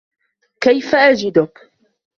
كيف أجدك؟